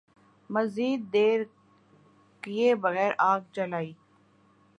مزید دیر کئے بغیر آگ جلائی ۔